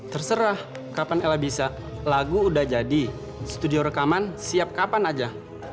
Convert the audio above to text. terserah kapan ella bisa lagu udah jadi studio rekaman siap kapan aja